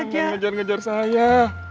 jangan ngejar ngejar saya